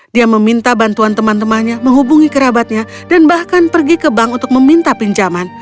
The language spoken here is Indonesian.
dia meminta bantuan teman temannya menghubungi kerabatnya dan bahkan pergi ke bank untuk meminta pinjaman